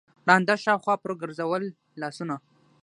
ړانده شاوخوا پر ګرځول لاسونه